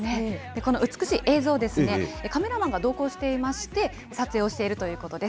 この美しい映像をカメラマンが同行していまして、撮影をしているということです。